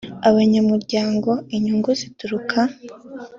abanyamuryango inyungu zituruka